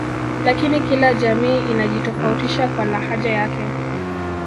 Lakini kila jamii inajitofautisha kwa lahaja yake